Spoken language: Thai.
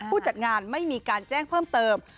จัดงานไม่มีการแจ้งเพิ่มเติม